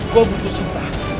gue butuh sinta